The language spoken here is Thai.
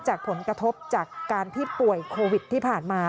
จากผลกระทบจากการที่ป่วยโควิดที่ผ่านมา